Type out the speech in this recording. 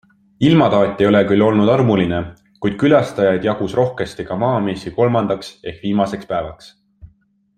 Ilmataat ei ole küll olnud armuline, kuid külastajaid jagus rohkesti ka Maamessi kolmandaks ehk viimaseks päevaks.